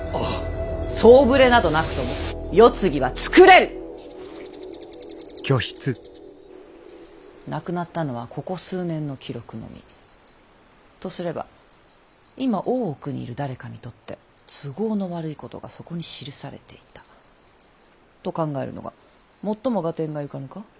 総触れなどなくとも世継ぎは作れる！なくなったのはここ数年の記録のみ。とすれば今大奥にいる誰かにとって都合の悪いことがそこに記されていたと考えるのがもっとも合点がゆかぬか？